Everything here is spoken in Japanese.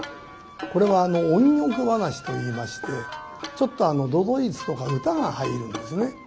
これは音曲噺といいましてちょっと都々逸とか唄が入るんですね。